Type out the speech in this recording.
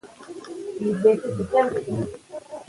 د اختلاف درناوی بلوغ دی